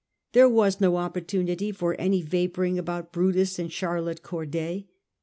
There was no opportunity for any vapouring about Brutus and Charlotte Corday .